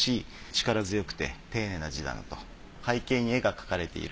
力強くて丁寧な字なのと背景に絵が描かれている。